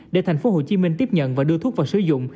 để tp hcm tiếp nhận và đưa thuốc vào sử dụng